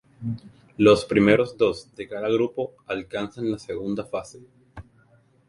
Los primeros dos de cada grupo alcanzan la segunda fase.